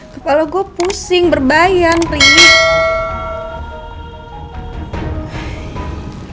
kepala gue pusing berbayang keringin